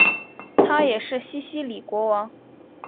他也是西西里国王。